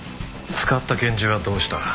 使った拳銃はどうした？